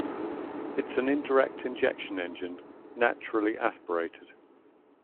It is an indirect injection engine, naturally aspirated.